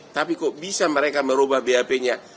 tapi kok bisa mereka merubah bap nya